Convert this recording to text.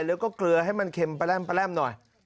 แล้วก็เกลือให้มันเค็มหน่อย